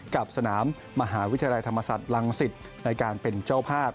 กับสนามมหาวิทยาลัยธรรมศาสตร์รังสิตในการเป็นเจ้าภาพ